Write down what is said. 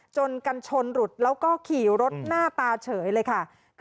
จนกันชนหลุดแล้วก็ขี่รถหน้าตาเฉยเลยค่ะ